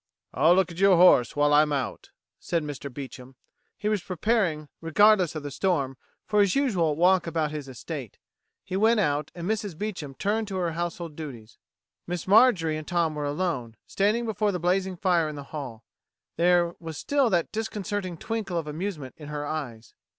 "I'll look at your horse while I'm out," said Mr. Beecham. He was preparing, regardless of the storm, for his usual walk about his estate. He went out, and Mrs. Beecham turned to her household duties. Miss Marjorie and Tom were alone, standing before the blazing fire in the hall. There was still that disconcerting twinkle of amusement in her eyes.